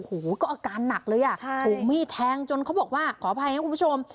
โอ้โหก็อาการหนักเลยอ่ะถูกมีดแทงจนเขาบอกว่าขออภัยนะคุณผู้ชม